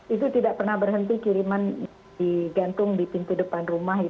itu tidak pernah berhenti kiriman di gantung di pintu depan rumah